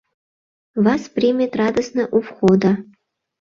Вас примет радостно у входа